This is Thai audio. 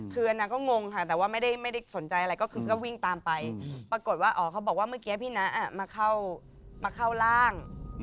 คืออันนั้นก็งงค่ะแต่ว่าไม่ได้สนใจอะไรก็คือก็วิ่งตามไปปรากฏว่าอ๋อเขาบอกว่าเมื่อกี้พี่นะมาเข้าร่าง